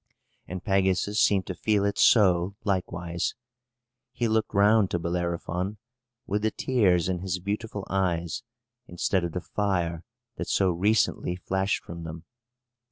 And Pegasus seemed to feel it so, likewise. He looked round to Bellerophon, with the tears in his beautiful eyes, instead of the fire that so recently flashed from them.